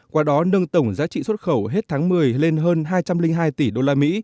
qua đó nâng tổng giá trị xuất khẩu hết tháng một mươi lên hơn hai trăm linh hai tỷ usd